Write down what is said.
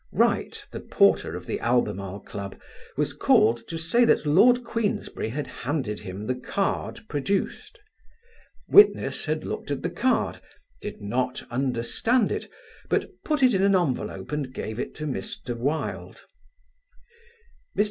Wright, the porter of the Albemarle Club, was called to say that Lord Queensberry had handed him the card produced. Witness had looked at the card; did not understand it; but put it in an envelope and gave it to Mr. Wilde. Mr.